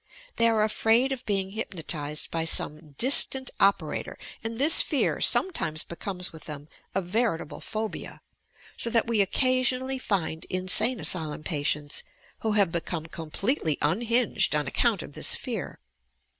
They are afraid of being hypnotized by some "distant opera tor," and this fear sometimes becomes with them a verit able phobia, so that we occasionally find insane asylum patients who have become completely unhinged on ac count of this fear.